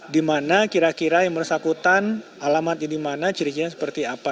di mana kira kira yang bersakutan alamat ini di mana cirinya seperti apa